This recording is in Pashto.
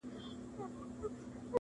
دا له سترګو فریاد ویښ غوږونه اوري،